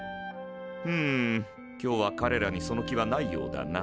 ふむ今日はかれらにその気はないようだな。